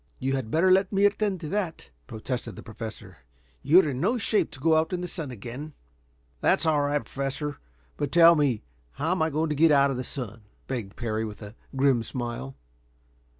"You had better let me attend to that," protested the Professor. "You're in no shape to go out in the sun again." "That's all right, Professor. But tell me how I am going to get out of the sun?" begged Parry, with a grim smile.